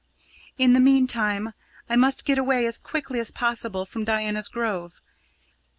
In the meantime, I must get away as quickly as possible from Diana's Grove.